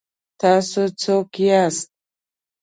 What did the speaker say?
تاسو څوک یاست؟